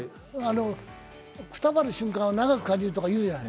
くたばる瞬間は長く感じるとかいうじゃない。